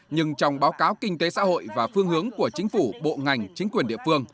nhưng trong báo cáo kinh tế xã hội và phương hướng của chính phủ bộ ngành chính quyền địa phương